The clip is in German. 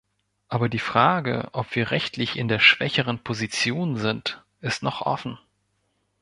Aber die Frage, ob wir rechtlich in der schwächeren Position sind, ist noch offen.